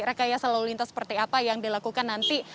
rekayasa lalu lintas seperti apa yang dilakukan nanti